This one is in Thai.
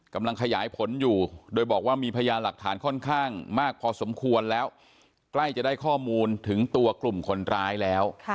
กำลังขยายผลอยู่โดยบอกว่ามีพยานหลักฐานค่อนข้างมากพอสมควรแล้วใกล้จะได้ข้อมูลถึงตัวกลุ่มคนร้ายแล้ว